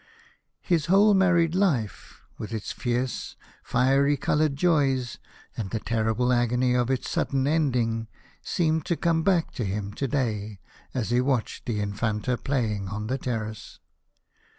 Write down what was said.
H is whole married life, with its fierce, fiery coloured joys and the terrible agony of its sudden ending, seemed to come back to him to day as he watched the Infanta playing on the terrace.